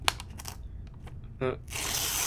bhghcb